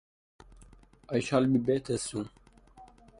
I shall be better soon.